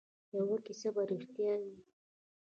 یوه کیسه به ریښتیا وي.